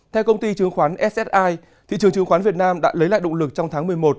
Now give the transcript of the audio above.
theo công ty chứng khoán ssi thị trường chứng khoán việt nam đã lấy lại động lực trong tháng một mươi một